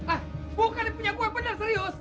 ah bukan ini punya gue bener serius